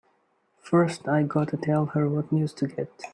First I gotta tell her what news to get!